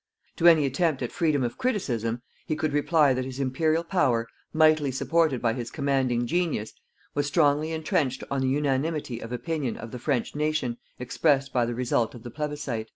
To any attempt at freedom of criticism, he could reply that his Imperial power mightily supported by his commanding genius was strongly entrenched on the unanimity of opinion of the French nation expressed by the result of the plebiscit.